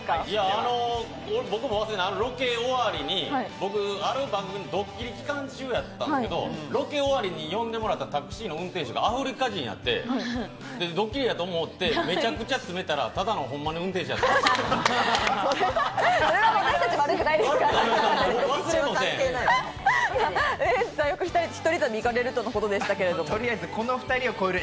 あのロケ終わりに僕、ある番組でドッキリ期間中やったんですけど、ロケ終わりに呼んでもらったタクシーの運転手がアフリカ人やってドッキリやと思ってめちゃくちゃ詰めたら、ただのホンマの運転手それ私たち